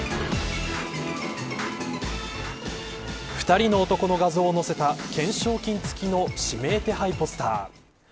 ２人の男の画像を載せた懸賞金付きの指名手配ポスター。